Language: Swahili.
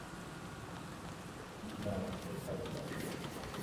michuano ya afrika mashariki na kati